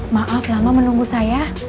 maaf lama menunggu saya